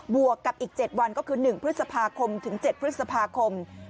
วกกับอีก๗วันก็คือ๑พฤษภาคมถึง๗พฤษภาคม